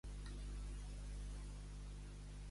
Aleshores, què li exigeix Elpènor?